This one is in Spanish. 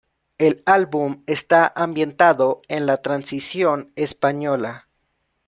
El álbum está ambientado en la Transición española.